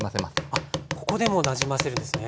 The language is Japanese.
あっここでもなじませるんですね。